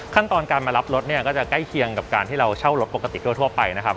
ขั้นตอนการมารับรถเนี่ยก็จะใกล้เคียงกับการที่เราเช่ารถปกติทั่วไปนะครับ